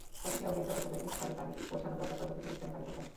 প্রতিটি অঙ্গের যতটুকু স্থানে পানি পৌঁছানো দরকার, ততটুকু স্থানে পানি পৌঁছানো।